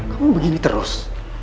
kamu begini terus